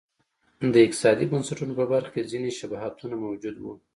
د اقتصادي بنسټونو په برخه کې ځیني شباهتونه موجود و.